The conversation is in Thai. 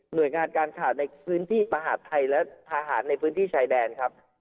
โดยงานการขาดในพื้นที่มหาดไทยและทหารในพื้นที่ชายแดนครับ